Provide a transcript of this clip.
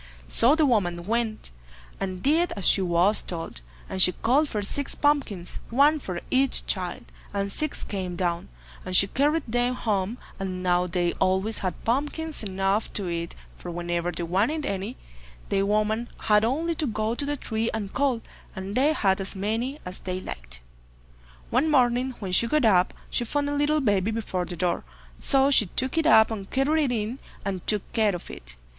So the woman went, and did as she was told, and she called for six pumpkins, one for each child, and six came down, and she carried them home; and now they always had pumpkins enough to eat, for whenever they wanted any, the woman had only to go to the tree and call, and they had as many as they liked. One morning when she got up, she found a little baby before the door, so she took it up and carried it in, and took care of it.